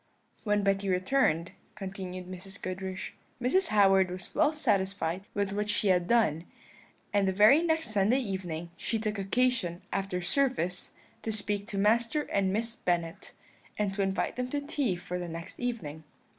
"When Betty returned," continued Mrs. Goodriche, "Mrs. Howard was well satisfied with what she had done; and the very next Sunday evening she took occasion, after service, to speak to Master and Miss Bennet, and to invite them to tea for the next evening.